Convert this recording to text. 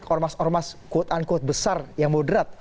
ormas ormas quote unquote besar yang moderat